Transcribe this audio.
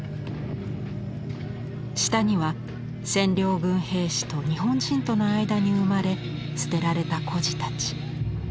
下には占領軍兵士と日本人との間に生まれ捨てられた孤児たち。